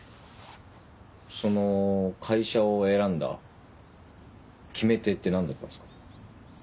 その会社を選んだ決め手って何だったんですか？